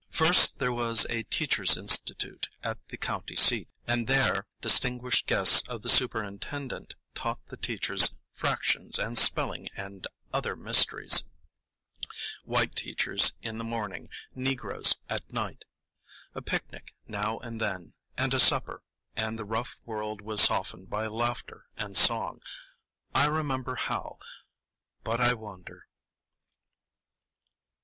First, there was a Teachers' Institute at the county seat; and there distinguished guests of the superintendent taught the teachers fractions and spelling and other mysteries,—white teachers in the morning, Negroes at night. A picnic now and then, and a supper, and the rough world was softened by laughter and song. I remember how— But I wander.